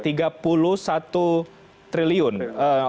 oke kita akan bahas dulu prof chandra dari bagaimana kemudian